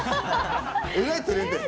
えらい、てれてる。